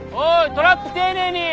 トラップ丁寧に！